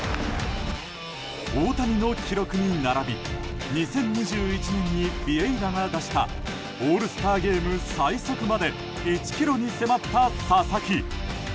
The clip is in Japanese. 大谷の記録に並び２０２１年にビエイラが出したオールスターゲーム最速まで１キロに迫った佐々木。